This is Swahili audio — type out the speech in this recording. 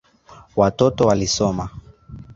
Watoto walisoma.